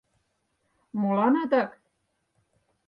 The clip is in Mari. — Молан адак?